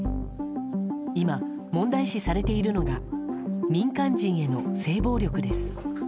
今、問題視されているのが民間人への性暴力です。